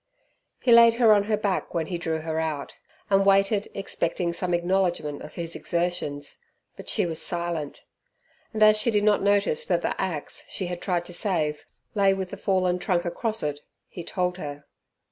He laid her on her back when he drew her out, and waited expecting some acknowledgment of his exertions, but she was silent, and as she did not notice that the axe, she had tried to save, lay with the fallen trunk across it, he told her.